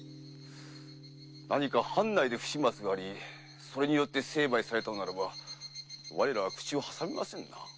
何か藩内で不始末がありそれによって成敗されたのならば我らは口を挟めませんな。